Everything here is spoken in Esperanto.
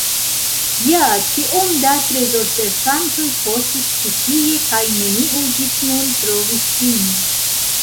Ja, tiom da trezorserĉantoj fosis ci tie kaj neniu ĝis nun trovis ĝin.